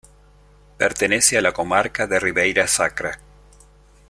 Pertenece a la comarca de Ribeira Sacra.